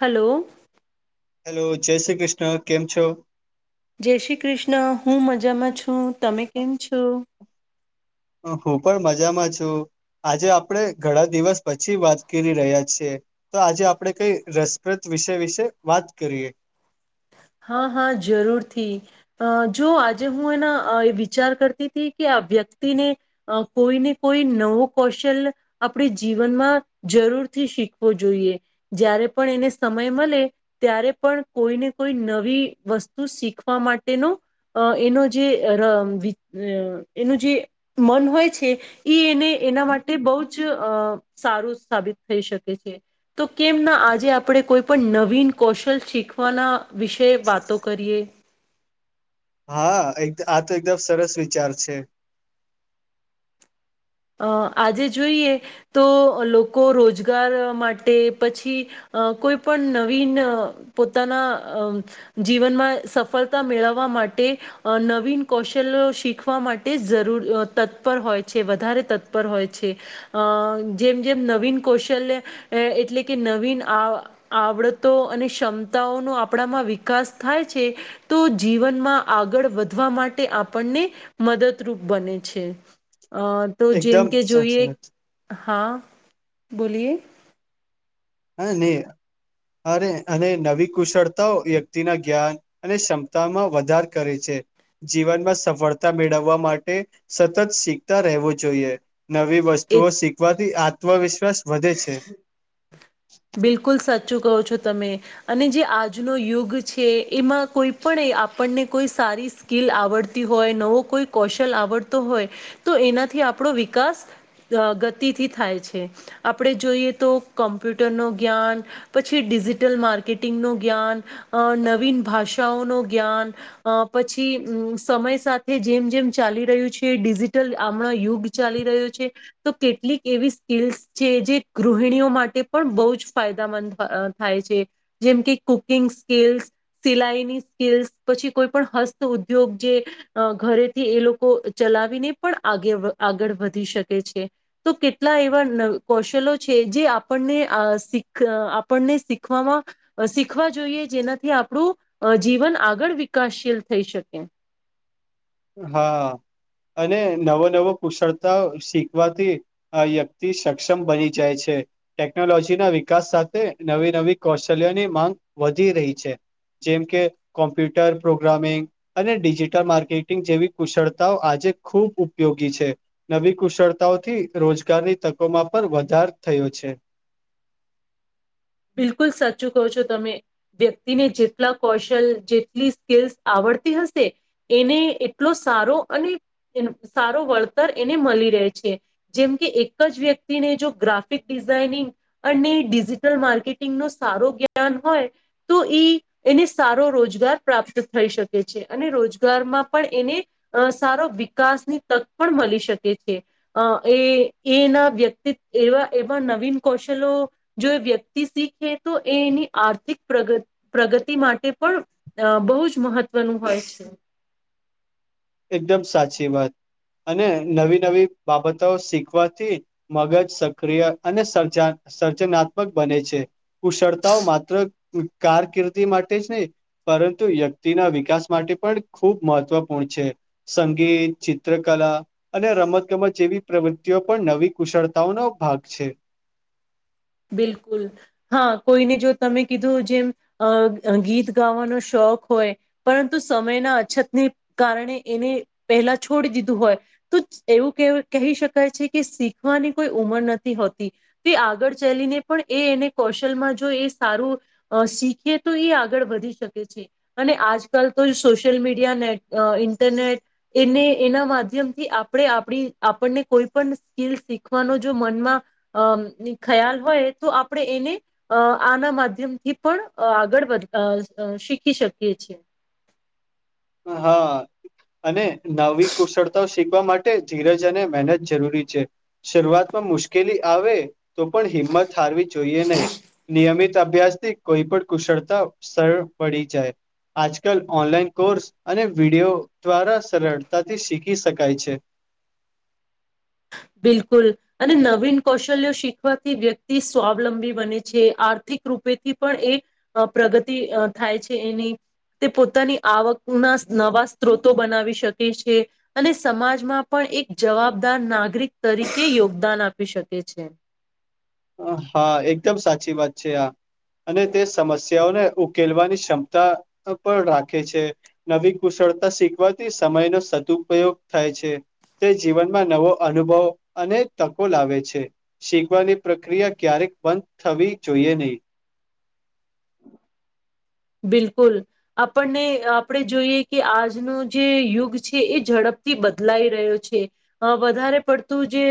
Hello. Hello જય શ્રી કૃષ્ણ કેમ છો? જય શ્રી કૃષ્ણ. હું મજામાં છું. તમે કેમ છો? હું પણ મજામાં છું. આજે આપણે ઘણા દિવસ પછી વાત કરી રહ્યા છીએ તો આજે આપણે કંઈ રસપ્રદ વિષય વિશે વાત કરીએ. [inaudible] હા હા જરૂરથી જો આજે હું એના વિચાર કરતી હતી કે અભ્યા લ‌ઈને કોઈને કોઈ નવું કૌશલ આપણી જીવનમાં જરૂરથી શીખવું જોઈએ જ્યારે પણ એને સમય મળે ત્યારે પણ કોઈને કોઈ નવી વસ્તુ શીખવા માટેનો અ એનો જે ર વિ એનું જે મન હોય છે એને એના માટે બહુ જ અ સારું. સાબિત થઈ શકે છે તો કેમના આજે આપણે કોઈ પણ નવીન કૌશલ શીખવાના વિશે વાતો કરીએ? હા એક આ તો એકદમ સરસ વિચાર છે. અ આજે જોઈએ તો લોકો રોજગાર માટે પછી અ કોઈ પણ નવીન પોતાના અ જીવનમાં સફળતા મેળવવા માટે નવીન કૌશલ્ય શીખવા માટે જરૂર તત્પર હોય છે વધારે તત્પર હોય છે અ જેમ જેમ નવીન કૌશલ્ય એટલે કે નવીન આવડતો અને ક્ષમતાઓનો આપણામાં વિકાસ થાય છે તો જીવનમાં આગળ વધવા માટે આપણને મદદરૂપ બને છે. તો જેમ એકદમ કે જોઈએ સાચી વાત હા. બોલીએ હા નહી. અને અને નવી કુશળતાઓ વ્યક્તિના જ્ઞાન અને ક્ષમતામાં વધાર કરે છે. જીવનમાં સફળતા મેળવવા માટે સતત શીખતાં રહેવું જોઈએ. નવી એ વસ્તુઓ શીખવાથી આત્મવિશ્વાસ વધે છે. બિલકુલ સચ ચુ કહો છો તમે અને જે આજનો યુગ છે એમાં કોઈપણે આપણને કોઈ સારી સ્કીલ આવડતી હોય નવો કોઈ કૌશલ આવડતો હોય તો એનાથી આપણો વિકાસ અ ગતિથી થાય છે આપણે જોઈએ તો કોમ્પ્યુટ રનું જ્ઞાન પછી ડિજિટલ માર્કેટિંગનુ જ્ઞાન નવીન ભાષાઓનો જ્ઞાન પછી સમય સાથે જેમ જેમ ચાલી રહ્યું છે. ડિજિટલ આ યુગ ચાલી રહ્યો છે તો કેટલીક એવી સ્કીલ્સ છે જે ગૃહિણીઓ માટે પણ બહુ જ ફાયદામંદ થાય છે જેમ કે કુકિંગ સ્કીલ્સ, સિલાઈની સ્કીલ્સ પછી કોઈપણ હસ્તઉદ્યોગ જે ઘરેથી એ લોકો ચલાવીને પણ આગેઆગળ વધી શકે છે તો કેટલા એવા કૌશલો છે જે આપણને આપણને શીખવામાં શીખવા જોઈએ. જેનાથી આપણું જીવન આગળ વિકાસશીલ થઈ શકે. હા. અને નવો નવો કુશળતા શીખવાથી આ વ્યક્તિ સક્ષમ બની જાય છે. ટેક્નોલોજીના વિકાસ સાથે નવી નવી કૌશલ્યોની માંગ વધી રહી છે. જેમ કે કોમ્પ્યુટર પ્રોગ્રામિંગ અને ડિજિટલ માર્કેટ જેવી કુશળતાઓ આજે ખુબ ઉપયોગી છે નવી કુશળતાઓથી રોજગારની કોમાં પણ વધાર થયો છે. બિલકુલ સાચું કહો છો તમે. વ્યક્તિને જેટલા કૌશલ જેટલી સ્કલ્સ આવડતી હશે. એને એટલો સારો અને સારો વળતર એને મળી રહે છે જેમ કે એક જ વ્યક્તિને જો ગ્રાફિક ડિઝાઇનીંગ અને ડિજિટલ માર્કેટિંગ ટંગ ન સારો જ્ઞાન હોય તો ઈ એને સારો રોજગાર પ્રાપ્ત થઈ શકે છે. અને રોજગારમાં પણ એને સારો વિકાસની તક પણ મળી શકે છે. અ એ એના વ્યક્તિત એવા એવા નવીન કૌશલો જો, વ્યક શીખે. તો એ એની આર્થિક પ્રગ પ્રગતિ માટે પણ બહુ જ મહત્વનું હોય છે. હમ [inaudible] એકદમ સાચી વાત. અને નવી નવી બાબતો શીખવાથી મગજ સક્રિય અને સર્જન સર્જનાત્મક બને છે, કુશળતાઓ માત્ર કારકિર્દી માટે જ નહી. પરંતુ વ્યક્તિના વિકાસ માટે પણ ખૂબ મહત્વપૂર્ણ છે. સંગીત ચિત્રકલા અને રમત ગમત જેવી પ્રવૃત્તિઓ પણ નવી કુશળતાઓ નો ભાગ છે. [inaudible] બિલકુલ, હા કોઈને જો તમે કીધું જેમ, ગીત ગાવાનો શોખ હોય, પરંતુ સમયના અછતને કારણે એને પહેલા છોડી દીધું હોય. તો એવું કહી શકાય છે કે શીખવાની કોઈ ઉંમર નથી, હોતી તે આગળ ચલીને પણ એને કૌશલ માં જો એ સારું, શીખીએ તો એ આગળ વધી શકે છે. અને આજકાલ તો સોશિયલ મીડિયા ને ઇન્ટરનેટ એને એના માધ્યમથી આપણે આપણી આપણને કોઈ પણ સ્કીિલ શીખવાનો જો મનમાં, અ ખ્યાલ હોય તો આપણે એને આના માધ્યમથી પણ આગળ વધ શીખી શકીએ છીએ. હા. અને નવી કુશળતા શીખવા માટે ધીરજ અને મહેનત જરૂરી છે, શરૂઆતમાં મુશ્કેલી આવે તો પણ હિંમત હારવી જોઈએ નહી, નિયમિત અભ્યાસથી કોઈ પણ કુશળતા સરળ પડી જાય, આજકાલ ઓનલાઈન કોર્સ અને વિડિયો દ્વારા સરળતાથી શીખી શકાય છે. બિલકુલ, અને નવીન કૌશલ્યો શીખવાથી વ્યક્તિ સ્વાવલંબી બને છે આ આર્થિક રૂપેથી પણ એ, પ્રગતિ થાય છે એની. તે પોતાની આવકના નવા સ્ત્રોતો બનાવી શકે છે, અને સમાજમાં પણ એક જવાબદાર નાગરિક તરીકે યોગદાન આપી શકે છે. હા એકદમ સાચી વાત છે આ, અને તે સમસ્યાઓને ઉકેલવાની ક્ષમતા પણ રાખે છે, નવી કુશળતા શીખવાથી સમય નો સદુપયોગ થાય છે. તે જીવનમાં નવો અનુભવ અને તકો લાવે છે, શીખવાની પ્રક્રિયા ક્યારેક બંધ થવી જોઈએ નહીં. બિલકુલ, આપણને આપણે જોઈએ કે આજનું જે યુગ છે એ ઝડપ બદલાઈ રહ્યો છે, વધારે પડતું જે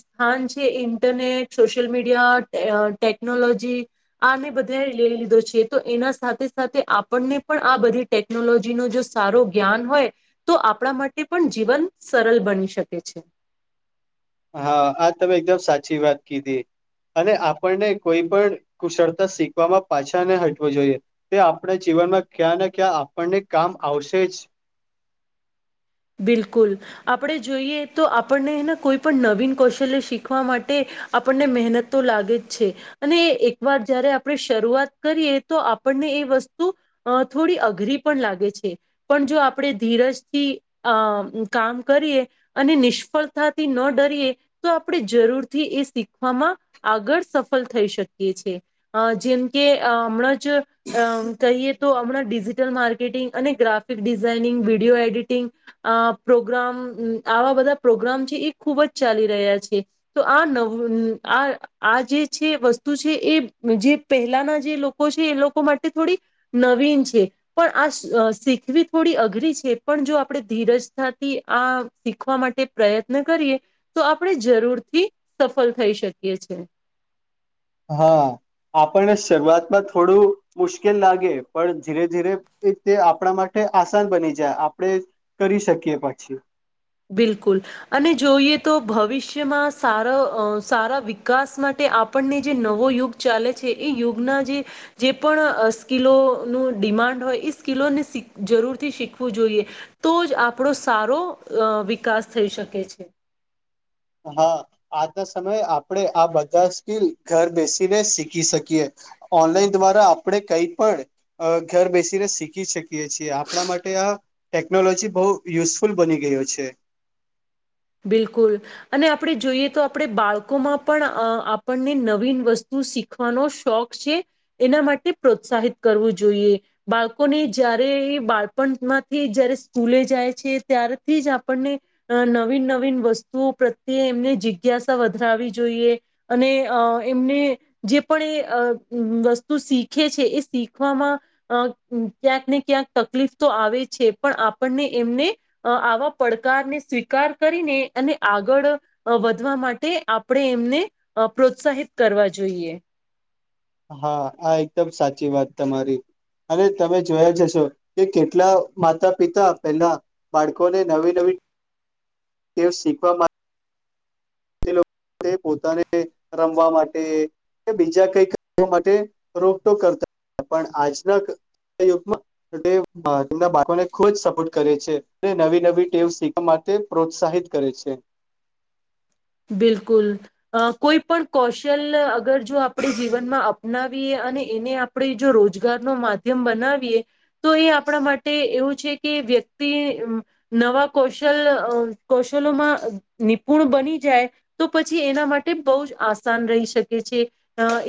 સ્થાન છે ઇન્ટરનેટ. સોશિયલ મીડિયા, ટેકનોલોજી આને બધે લઈ લીધો છે તો એના સાથે સાથે આપણને પણ આ બધી ટેકનોલોજી નો જો સારો જ્ઞાન હોય, તો આપણા માટે પણ જીવન સરળ બની શકે છે. હા આ તમે એકદમ સાચી વાત કીધી. અને આપણને કોઈ પણ કુશળતા શીખવામાં પાછા ન હટવું જોઈએ, તે આપણા જીવ જીવનમાં ક્યાં ને ક્યાં આપણને કામ આવશે જ. [inaudible] બિલકુલ, આપણે જોઈએ તો આપણનેને કોઈ પણ નવીન કૌશલ્ય શીખવા માટે આપણને મહેનત તો લાગે જ છે, અને એકવાર જયારે આપણે શરૂઆત કરીએ તો આપ એ વસ્તુ, થોડી અઘરી પણ લાગે છે, પણ જો આપણે ધીરજથી અ કામ કરીએ, અને નિષ્ફળતાથી ન ડરીએ તો આપણે જરૂરથી એ શીખવામાં આગળ સફળ થઈ શકીએ છીએ, જેમ કે હમણાં જ અમ કહીએ તો હમણાં ડિજિટલ માર્કેટિંગ અને ગ્રાફિક ડિઝાઇનિંગ વિડીયો એડિટિંગ. આ પ્રોગ્રામ આવા બધા પ્રોગ્રામ છે એ ખુબ જ ચાલી રહ્યા છે, તો આ [unintelligible] આ જે છે, વસ્તુ છે એ જે પહેલાના જે લોકો છે, એ લોકો. માટે થોડી નવીન છે, પણ આ શીખવી થોડી અઘરી છે, પણ જો આપણે ધીરજતાથી આ શીખવા માટે પ્રયત્ન કરીએ તો આપણે જરૂરથી. સફળ થઈ શકીએ છે. હા. આપણને શરૂઆતમાં થોડું મુશ્કેલ લાગે પણ ધીરે ધીરે એ તે આપણા માટે. આસાન બની જાય આપણેે કરી શકીએ પછી. બિલકુલ અને જોઈએ તો ભવિષ્યમાં સારા સારા વિકાસ માટે. તે આપણને જે નવો યુગ ચાલે છે, એ યુગના જે જે પણ સ્કીિલોનું ડિમાન્ડ હોય એ [unintelligible] જરૂરથી શીખવું જોઈએ તો જ આપણો સારો. અ વિકાસ થઈ શકે છે. હા આજના સમયે આપણેે આ બધા સ્કીલ ઘર બેસીને શીખી શકીએ. ઓનલાઈન દ્વારા આપણે કઈ પણ ઘર બેસીને શીખી શકીએ છીએ આપણા માટે. ટેકનોલોજી બહુ યુઝફુલ બની ગયો છે. બિલકુલ અને આપણે જોઈએ તો આપણે બાળકોમાં પણ આપણને નવીન વસ્તુ. શીખવાનો શોખ છે, એના માટે પ્રોત્સાહિત કરવું જોઈએ બાળકોને જ્યારે. બાળપણ માંથી જયારે સ્કૂલે જાય છે, ત્યારેથી જ આપણને. નવીન નવીન વસ્તુઓ પ્રત્યે એમને જિજ્ઞાસા વધરાવી જોઈએ અને એમને. જે પણ વસ્તુ શીખે છે, એ શીખવામાં ક્યાં. ક્યાંક તકલીફ તો આવે છે, પણ આપણને એમને આવા પડકારને સ્વીકાર. કરીને અને આગળ વધવા માટે આપણે એમને પ્રોત્સાહિત કરવા જોઈએ. જોઈએ. હા આ એકદમ સાચી વાત તમારી. અને તમે જોયા જશો કે કેટલા માતા પિતા પેલા બાળકોને નવી નવી. તેઓ શીખવામાં. લોકો પોતાને રમવા માટે. બીજા કઈ માટે રોકટોક કરતા પણ આજના. [unintelligible] તેમના બાળકોને ખુબ જ સપોર્ટ કરે છે નવી નવી ટેમ શીખવા. તે પ્રોત્સાહિત કરે છે. બિલકુલ અ કોઈ પણ કૌશલ્ય અગર જો આપણે જીવનમાં અપનાવીએ. અને એને આપણે જો રોજગાર ન માધ્યમ બનાવીએ તો એ આપણા માટે એવું છે, કે વ્યક્તિ નવા કૌશલ કૌશલોમાં નિપુણ બની. જાય તો પછી એના માટે બહ જ આસાન રહી શકે છે,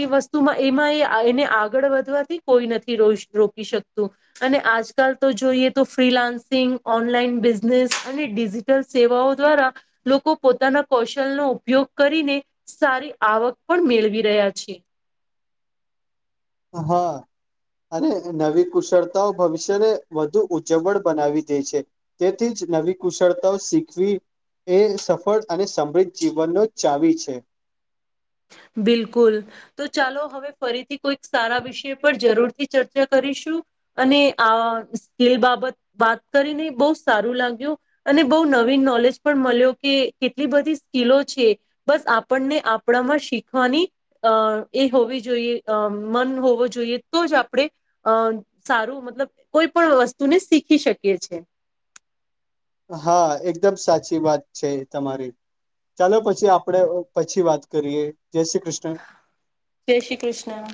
એ વસ્તુમાં એમાં. એને આગળ વધવાથી કોઈ નથી [unintelligible] રોકી શકતું અને આજકાલ તો જોઈએ તો ફ્રી. ફન્સિંગ ઓનલાઈન બિઝનેસ અને ડિજિટલ સેવાઓ દ્વારા લોકો પોતાના. કૌશલ નો ઉપયોગ કરીને સારી આવક પણ મેળવી રહ્યા છે. હા. અને નવી કુશળતાઓ ભવિષ્યને વધુ ઉજ્જવળ બનાવી દે છે, તેથી જ. નવી કુશળતાઓ શીખવી. એ સફળ અને સમૃદ્ધ જીવનનો ચાવી છે. [inaudible] બિલકુલ. તો ચાલો હવે ફરીથી કોઈક સારા વિષય પર જરૂર થી ચર્ચા કરીશું. [unintelligible] વાત કરીને બહુ સારું લાગ્યું. અને બહુ, નવી નલેજ પણ મળ્યો કે, કેટલી બધી [unintelligible] છે. બસ આપણને આપણામાં શી. શખવાની અ એ હોવી જોઈએ મન હોવું જોઈએ તો જ આપણે અ. સારું મતલબ કોઈ પણ વસ્તુને શીખી શકીએ છે. હા! એકદમ સાચી વાત છે, તમારી. ચાલો પછી આપડે પછી વાત કરીએ. જય શ્રી કૃષ્ણ જય શ્રી કૃષ્ણ.